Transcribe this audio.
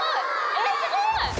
えっすごい！